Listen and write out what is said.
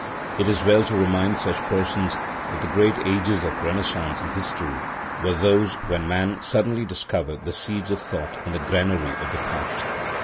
It is well to remind such persons that the great ages of renaissance in history were those when man suddenly discovered the seeds of thought in the granary of the past.